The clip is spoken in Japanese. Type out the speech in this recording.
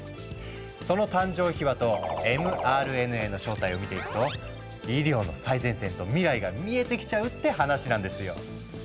その誕生秘話とｍＲＮＡの正体を見ていくと医療の最前線と未来が見えてきちゃうって話なんですよ。